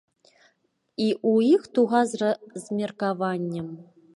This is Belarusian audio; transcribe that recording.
І ў іх туга з размеркаваннем.